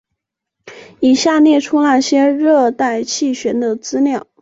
以下列出那些热带气旋的资料。